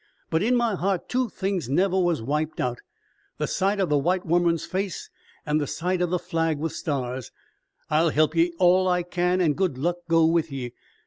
But in my heart two things never was wiped out the sight o' the white womern's face an' the sight o' the flag with stars. I'll help ye all I can, an' good luck go with ye.